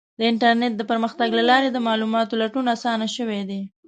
د انټرنیټ د پرمختګ له لارې د معلوماتو لټون اسانه شوی دی.